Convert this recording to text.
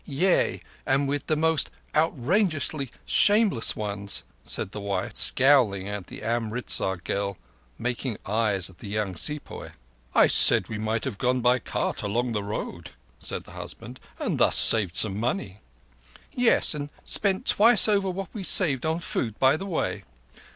"Yea, and with most outrageously shameless ones," said the wife, scowling at the Amritzar girl making eyes at the young sepoy. "I said we might have gone by cart along the road," said the husband, "and thus have saved some money." "Yes—and spent twice over what we saved on food by the way.